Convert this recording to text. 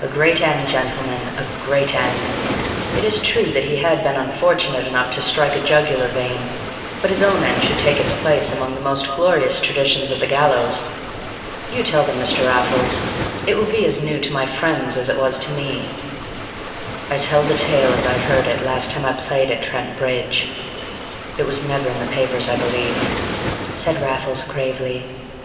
A great end, gentlemen, a great end! It is true that he had been unfortunate enough to strike a jugular vein, but his own end should take its place among the most glorious traditions of the gallows. You tell them Mr. Raffles: it will be as new to my friends as it is to me." "I tell the tale as I heard it last time I played at Trent Bridge; it was never in the papers, I believe," said Raffles gravely.